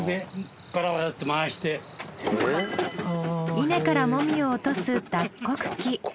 稲からもみを落とす脱穀機。